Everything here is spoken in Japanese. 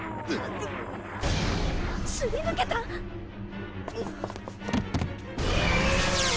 すり抜けた！あっ。